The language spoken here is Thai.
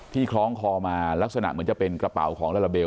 คล้องคอมาลักษณะเหมือนจะเป็นกระเป๋าของลาลาเบล